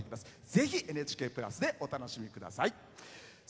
ぜひ、「ＮＨＫプラス」でお楽しみください。